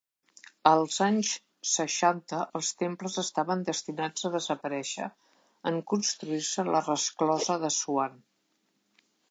Als anys seixanta, els temples estaven destinats a desaparèixer en construir-se la resclosa d'Assuan.